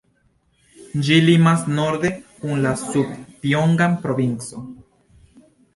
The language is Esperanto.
Ĝi limas norde kun la Sud-Pjongan provinco.